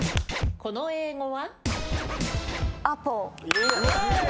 この英語は？